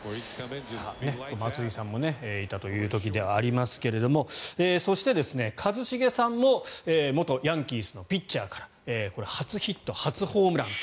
松井さんもいた時ではありますがそして、一茂さんも元ヤンキースのピッチャーからこれは初ヒット初ホームラン。